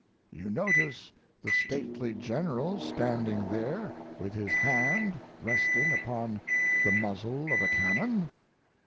You notice the stately General standing there with his hand resting upon the muzzle of a cannon?